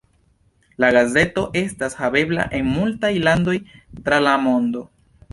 La gazeto estas havebla en multaj landoj tra la mondo.